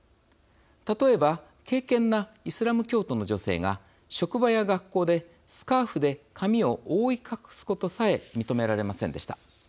例えば敬けんなイスラム教徒の女性が職場や学校でスカーフで髪を覆い隠すことさえ認められませんでした。